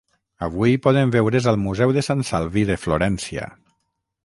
Avui poden veure's al Museu de Sant Salvi de Florència.